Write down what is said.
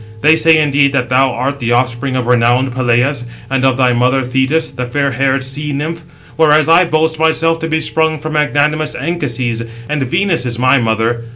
They say, indeed, that thou art the offspring of renowned Peleus, and of thy mother Thetis, the fair haired sea nymph; whereas I boast myself to be sprung from magnanimous Anchises, and Venus is my mother.